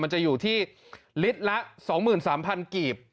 จะอยู่ที่ลิตรละ๒๓๐๐กีบ